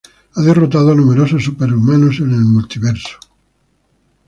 Ha derrotado a numerosos superhumanos en el Multiverso.